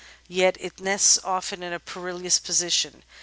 Yet it nests often in a perilous position.